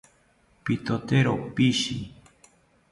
Pitotero pishi